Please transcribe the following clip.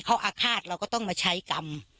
เขาอาฆาตเราก็ต้องมาใช้กรรม